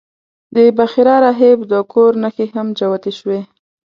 د بحیرا راهب د کور نښې هم جوتې شوې.